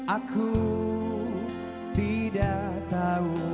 aku tidak akan berhenti